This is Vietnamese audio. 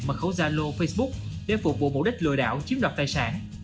mật khẩu zalo facebook để phục vụ mục đích lừa đảo chiếm đọc tài sản